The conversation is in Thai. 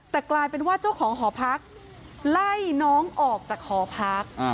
แต่กลายเป็นว่าเจ้าของหอพักไล่น้องออกจากหอพัก